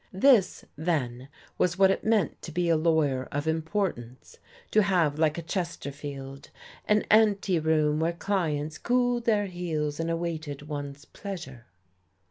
This, then, was what it meant to be a lawyer of importance, to have, like a Chesterfield, an ante room where clients cooled their heels and awaited one's pleasure...